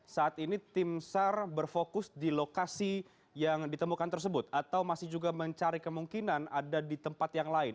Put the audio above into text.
saat ini tim sar berfokus di lokasi yang ditemukan tersebut atau masih juga mencari kemungkinan ada di tempat yang lain